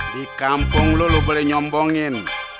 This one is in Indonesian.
di kampung lu lu boleh nyombongin